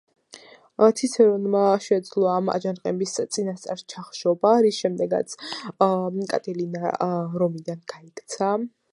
ციცერონმა შეძლო ამ აჯანყების წინასწარ ჩახშობა, რის შემდეგაც კატილინა რომიდან გაიქცა.